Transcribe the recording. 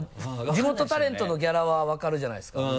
地元タレントのギャラは分かるじゃないですか。